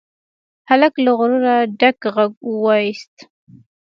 هلک له غروره ډک غږ واېست.